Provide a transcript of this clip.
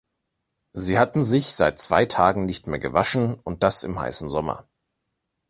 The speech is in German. Sie hatten sich seit zwei Tagen nicht mehr gewaschen, und das im heißen Sommer.